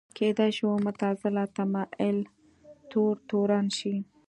کېدای شو معتزله تمایل تور تورن شي